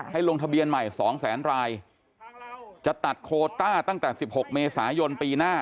ลงทะเบียนใหม่๒แสนรายจะตัดโคต้าตั้งแต่๑๖เมษายนปีหน้า